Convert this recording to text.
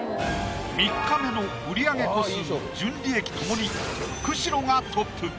３日目の売り上げ個数・純利益共に久代がトップ